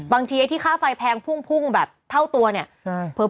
บางทีที่ค่าไฟแพงพุ่งแบบเท่าตัวเนี่ย